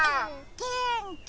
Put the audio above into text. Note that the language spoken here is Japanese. げんき？